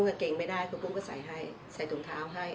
ลงกางเกงไม่ได้ครูปุ้มก็ใส่ให้